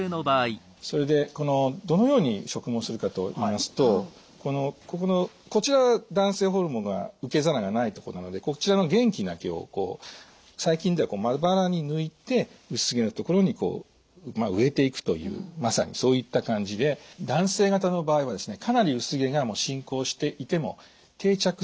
それでどのように植毛するかといいますとここのこちら男性ホルモンが受け皿がないとこなのでこちらの元気な毛を最近ではまばらに抜いて薄毛の所に植えていくというまさにそういった感じで男性型の場合はですね